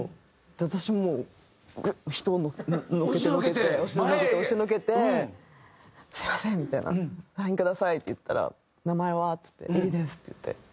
私もう人をのけてのけて押しのけて押しのけて「すみません」みたいな。「サインください」って言ったら「名前は？」っつって「ｉｒｉです」って言って。